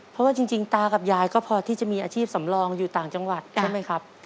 เพราะว่าจริงตากับยายก็พอที่จะมีอาชีพสำรองอยู่ต่างจังหวัดใช่ไหมครับ